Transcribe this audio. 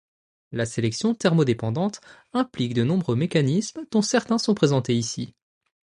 La sélection thermodépendante implique de nombreux mécanismes dont certains sont présentés ici.